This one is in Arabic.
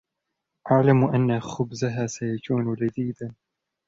أعلم أن خبزها سيكون لذيذا.